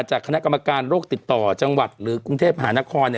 จากคณะกรรมการโรคติดต่อจังหวัดหรือกรุงเทพมหานคร